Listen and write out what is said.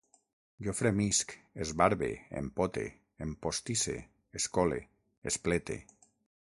Jo fremisc, esbarbe, empote, empostisse, escole, esplete